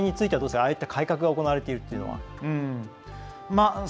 ああいった改革が行われているというのは。